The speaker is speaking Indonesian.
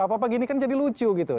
apa apa gini kan jadi lucu gitu